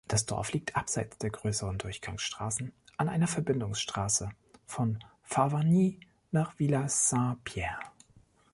Das Dorf liegt abseits der grösseren Durchgangsstrassen an einer Verbindungsstrasse von Farvagny nach Villaz-Saint-Pierre.